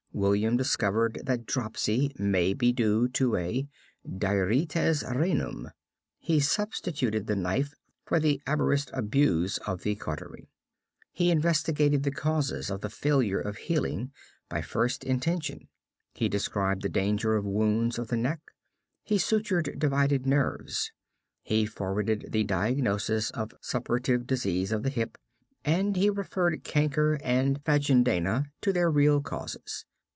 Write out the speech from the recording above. William discovered that dropsy may be due to a 'durities renum'; he substituted the knife for the Arabist abuse of the cautery; he investigated the causes of the failure of healing by first intention; he described the danger of wounds of the neck; he sutured divided nerves; he forwarded the diagnosis of suppurative disease of the hip, and he referred chancre and phagedaena to their real causes."